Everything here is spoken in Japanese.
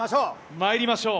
まいりましょう。